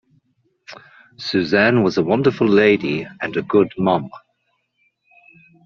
Suzanne was a wonderful lady and a good mom.